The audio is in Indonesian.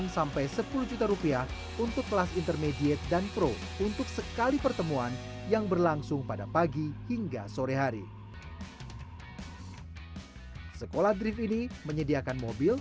silahkan beri dukungan di kolom komentar